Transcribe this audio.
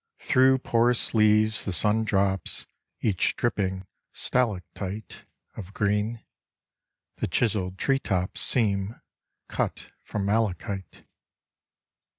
Through porous leaves the sun drops Each dripping stalactite Of green. The chiselled tree tops Seem cut from malachite.